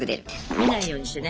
見ないようにしてね。